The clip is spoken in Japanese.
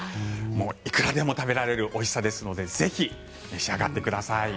いくらでも食べられるおいしさですのでぜひ、召し上がってください。